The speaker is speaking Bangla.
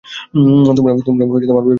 তোমরা আমার বেস্ট ফ্রেন্ড, বলদের দল।